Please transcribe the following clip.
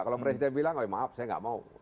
kalau presiden bilang maaf saya nggak mau